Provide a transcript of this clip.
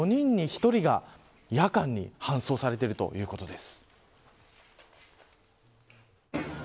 およそ４人に１人が夜間に搬送されているということです。